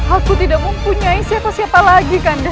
aku tidak mempunyai siapa siapa lagi kanda